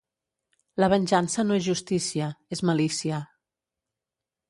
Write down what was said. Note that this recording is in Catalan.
La venjança no és justícia, és malícia.